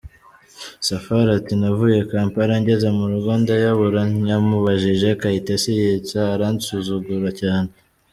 Safari ati :” Navuye Kampala ngeze murugo ndayabura , nyamubajije , Kayitesi, yitsa… ‘aransuzugura cyane’.